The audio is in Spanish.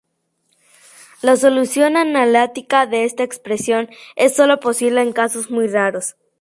La solución analítica de esta expresión es sólo posible en casos muy raros.